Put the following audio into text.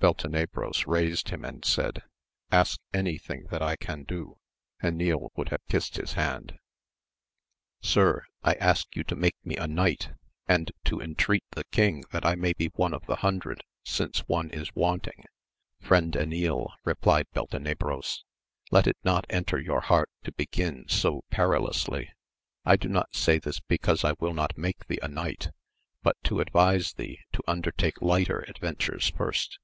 Beltenebros raised him and said, Ask anything that I can do. Enil would have kissed his hand ; Sir, I ask you to make me a knight, and to entreat the king that I may be one of the hundred since one is wanting. Friend Enil, replied Beltenebros, let it not enter your heart to begin so perilously. I do not say this because I will not make thee a knight, but to advise thee to undertake lighter adventures first.